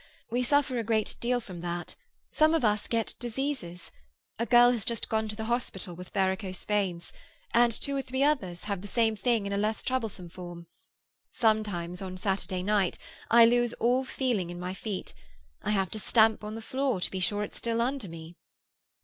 We suffer a great deal from that. Some of us get diseases. A girl has just gone to the hospital with varicose veins, and two or three others have the same thing in a less troublesome form. Sometimes, on Saturday night, I lose all feeling in my feet; I have to stamp on the floor to be sure it's still under me."